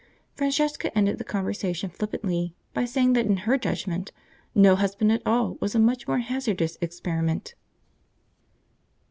Francesca ended the conversation flippantly by saying that in her judgment no husband at all was a much more hazardous experiment.